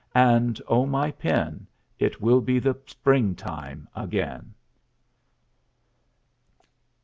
And, O my pen, it will be the springtime again!